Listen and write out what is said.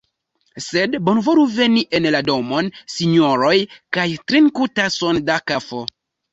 Sed bonvolu veni en la domon, sinjoroj, kaj trinku tason da kafo!